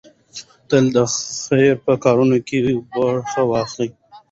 تل د خير په کارونو کې برخه واخلئ.